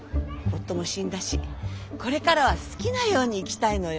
夫も死んだしこれからは好きなように生きたいのよ。